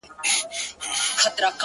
خدایه قربان دي، در واری سم، صدقه دي سمه،